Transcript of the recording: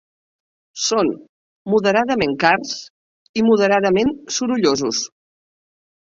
Són moderadament cars i moderadament sorollosos.